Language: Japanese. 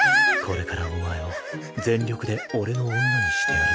これからお前を全力で俺の女にしてやるぜ。